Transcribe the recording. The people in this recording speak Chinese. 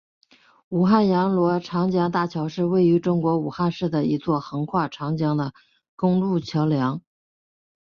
武汉阳逻长江大桥是位于中国武汉市的一座横跨长江的公路桥梁。